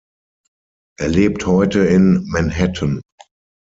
Er lebt heute in Manhattan.